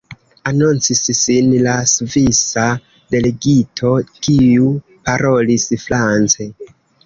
Anoncis sin la svisa delegito, kiu parolis france.